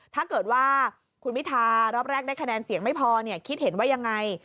ถ้าเกิดว่าคุณพิทารอบแรกได้คะแนนเสียงไม่พอคิดเห็นว่ายังไง